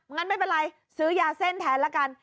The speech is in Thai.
งั้นไม่เป็นไรซื้อยาเส้นแทนละกัน